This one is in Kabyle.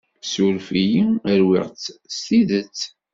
Ssuref-iyi, rwiɣ-tt s tidet.